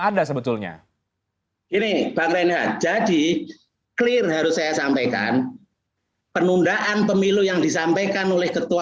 ada sebetulnya ini banget jadi clear harus saya sampaikan penundaan pemilu yang disampaikan oleh